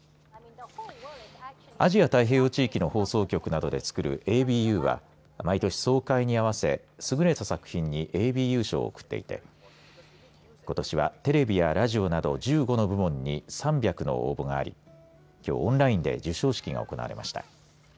アジア太平洋地域の放送局などでつくるＡＢＵは毎年総会に合わせ優れた作品にＡＢＵ賞を贈っていてことしはテレビやラジオなど１５の部門に３００の応募がありきょう、オンラインで授賞式が行われました。